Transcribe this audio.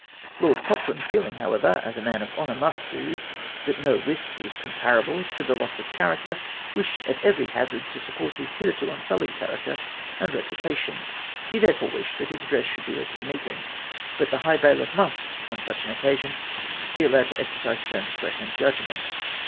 Lord Cochrane, feeling, however, as a man of honour must do, that no risk was com parable to the loss of character, wished, at every hazard, to support his hitherto unsullied cliaracter and reputation. He therefore Avished that his address should be read to the meeting ; but the high bailiff must, on such an occasion, be allowed to exercise his own discretion and judgment.